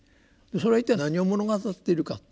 それは一体何を物語っているか。